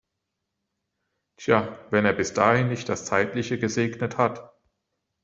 Tja, wenn er bis dahin nicht das Zeitliche gesegnet hat!